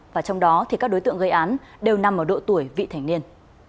và trong đó các đối tượng gây án đều nằm ở độ tuổi vị thành niên